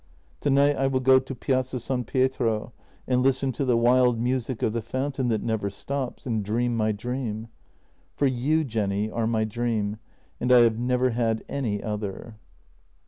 Tonight I will go to Piazza San Pietro and listen to the wild music of the fountain that never stops, and dream my dream. For you, Jenny, are my dream, and I have never had any other.